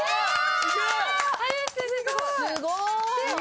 すごーい！